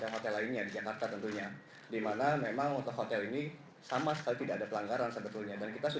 ada hotel kemudian ada restoran kemudian ada yang graving nya seperti itu